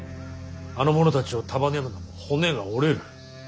あの者たちを束ねるのも骨が折れる。